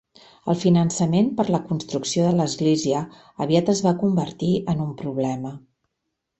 El finançament per a la construcció de l'església aviat es va convertir en un problema.